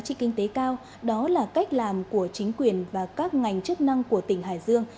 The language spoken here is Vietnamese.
cơ sở để giá trị kinh tế cao đó là cách làm của chính quyền và các ngành chức năng của tỉnh hải dương